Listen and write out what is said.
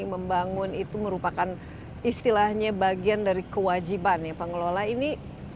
membangun itu merupakan istilahnya bagian dari kewajiban ya pengelola ini